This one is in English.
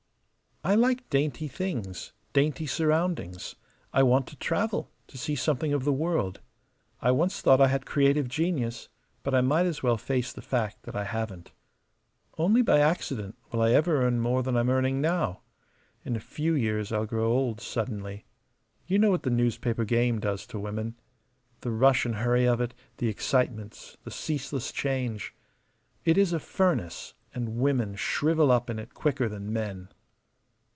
I like dainty things, dainty surroundings. I want to travel, to see something of the world. I once thought I had creative genius, but I might as well face the fact that I haven't. Only by accident will I ever earn more than I'm earning now. In a few years I'll grow old suddenly. You know what the newspaper game does to women. The rush and hurry of it, the excitements, the ceaseless change. It is a furnace, and women shrivel up in it quicker than men."